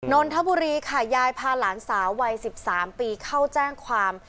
นนทบุรีค่ะยายพาหลานสาววัย๑๓ปีเข้าแจ้งความ